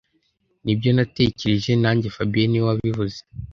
Nibyo natekereje nanjye fabien niwe wabivuze